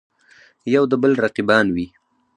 یودبل رقیبان وي.